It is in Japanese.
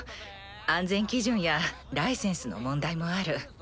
安全基準やライセンスの問題もある。